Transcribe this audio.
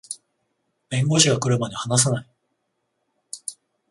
弁護士が来るまで話さない